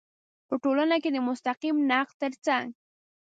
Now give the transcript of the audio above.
په ټولنه کې د مستقیم نقد تر څنګ